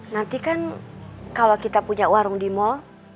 nanti kan kalau kita punya warung di mal